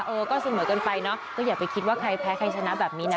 เออก็เสมอกันไปเนาะก็อย่าไปคิดว่าใครแพ้ใครชนะแบบนี้นะ